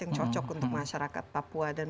yang cocok untuk masyarakat papua dan